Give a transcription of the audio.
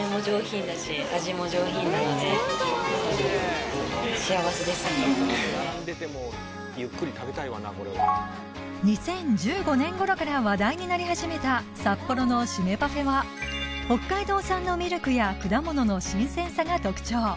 ずっと２０１５年頃から話題になりはじめた札幌のシメパフェは北海道産のミルクや果物の新鮮さが特徴